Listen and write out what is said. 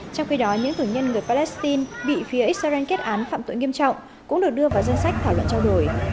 trong khi đó những cử nhân người palestine bị phía israel kết án phạm tội nghiêm trọng cũng được đưa vào danh sách thảo luận trao đổi